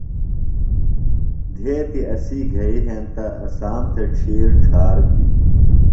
دھیتیۡ اسی گھئیۡ ہینتہ، اسام تھےۡ ڇِھیر ڇھار بھی